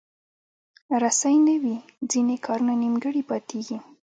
رسۍ نه وي، ځینې کارونه نیمګړي پاتېږي.